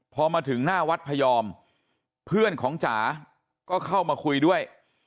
พอมาถึงหน้าวัดพยอมเพื่อนของจ๋าก็เข้ามาคุยด้วย